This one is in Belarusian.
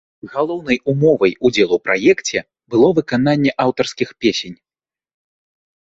Галоўнай умовай удзелу ў праекце было выкананне аўтарскіх песень.